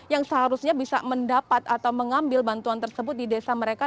yang seharusnya bisa mendapat atau mengambil bantuan tersebut di desa mereka